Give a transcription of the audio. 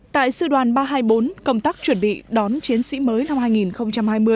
tại sư đoàn ba trăm hai mươi bốn công tác chuẩn bị đón chiến sĩ mới năm hai nghìn hai mươi